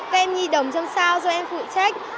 các em nhi đồng trong sao do em phụ trách